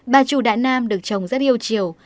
bà chủ đại nam được chồng rất yêu chiều